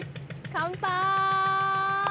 乾杯。